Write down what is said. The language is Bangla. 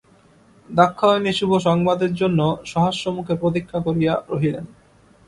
দাক্ষায়ণী শুভ সংবাদের জন্য সহাস্যমুখে প্রতীক্ষা করিয়া রহিলেন।